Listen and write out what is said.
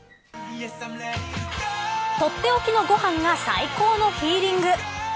とっておきのご飯が最高のヒーリング。